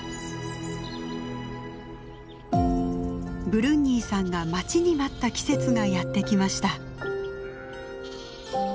ブルンニーさんが待ちに待った季節がやって来ました。